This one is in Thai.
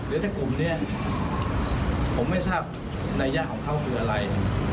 เดี๋ยวถ้ากลุ่มนี้ผมไม่ทราบนัยยะของเขาคืออะไร